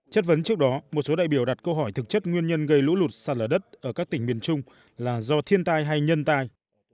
chất vấn trước đó một số đại biểu đặt câu hỏi thực chất nguyên nhân gây lũ lụt sạt lở đất ở các tỉnh miền trung là do thiên tai hay nhân tai